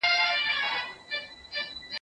بيزو وان سو په چغارو په نارو سو